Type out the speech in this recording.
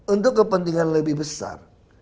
untuk kepentingan lebih besar